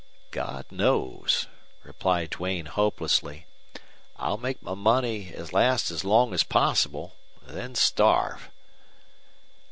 "God knows," replied Duane, hopelessly. "I'll make my money last as long as possible then starve."